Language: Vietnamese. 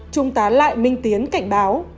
trung tá lại minh tiến cảnh báo